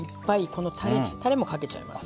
このたれたれもかけちゃいます。